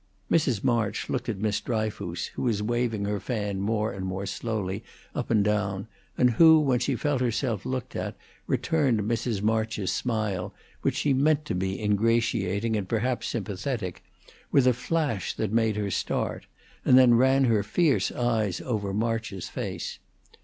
Mrs. March looked at Miss Dryfoos, who was waving her fan more and more slowly up and down, and who, when she felt herself looked at, returned Mrs. March's smile, which she meant to be ingratiating and perhaps sympathetic, with a flash that made her start, and then ran her fierce eyes over March's face.